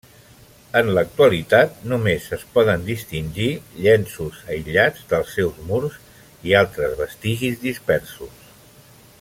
En l'actualitat només es poden distingir llenços aïllats dels seus murs i altres vestigis dispersos.